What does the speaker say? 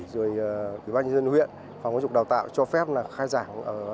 quý bác nhân dân huyện phòng công trục đào tạo cho phép khai giảng